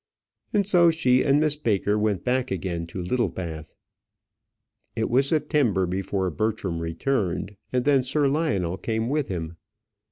And so she and Miss Baker went back again to Littlebath. It was September before Bertram returned, and then Sir Lionel came with him.